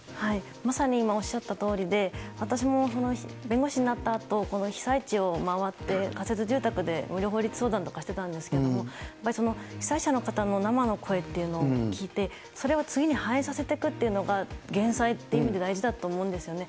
まさに今おっしゃったとおりで、私も弁護士になったあと、被災地を回って、仮設住宅で無料法律相談とかしてたんですけれども、被災者の方の生の声っていうのを聞いて、それを次に反映させていくというのが減災っていう意味で大事だと思うんですよね。